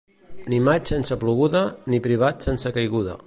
Ni maig sense ploguda, ni privat sense caiguda.